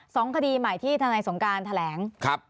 สองคดีใหม่ที่ท่านายสงการแถลง